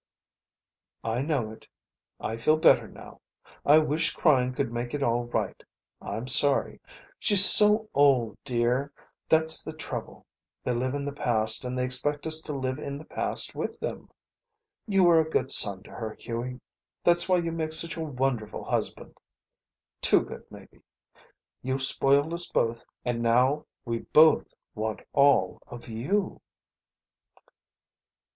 "I know it. I feel better now. I wish crying could make it all right. I'm sorry. She's so old, dear. That's the trouble. They live in the past and they expect us to live in the past with them. You were a good son to her, Hughie. That's why you make such a wonderful husband. Too good, maybe. You've spoiled us both, and now we both want all of you."